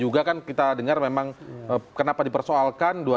karena kita harus mengatakan kepentingan kita